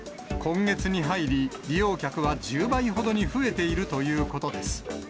今月に入り、利用客は１０倍ほどに増えているということです。